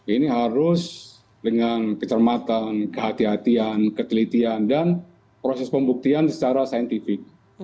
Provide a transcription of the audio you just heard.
ini harus dengan kecermatan kehatian ketelitian dan proses pembuktian secara saintifik